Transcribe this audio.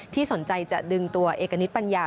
ที่สนใจจะดึงตัวเอกณิตปัญญา